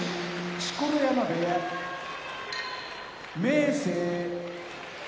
錣山部屋明生